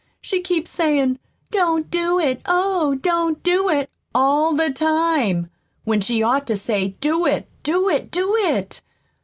She keeps sayin', 'Don't do it, oh, don't do it,' all the time, when she ought to say, 'Do it, do it, do it!'